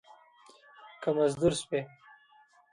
که مزدور شوې